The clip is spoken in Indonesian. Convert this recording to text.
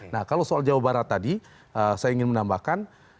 nah kalau soal jawa barat tadi saya ingin menambahkan